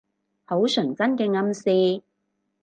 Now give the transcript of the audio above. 好純真嘅暗示